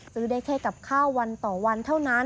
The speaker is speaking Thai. ซื้อได้แค่กับข้าววันต่อวันเท่านั้น